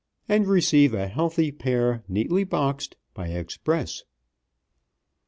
and receive a healthy pair, neatly boxed, by express."